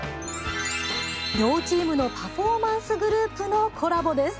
両チームのパフォーマンスグループのコラボです。